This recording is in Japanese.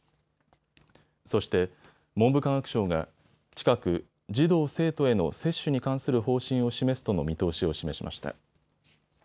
そして文部科学省が近く児童・生徒への接種に関する方針を示すとの見通しを示しました。